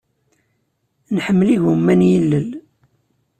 Nḥemmel igumma n yilel.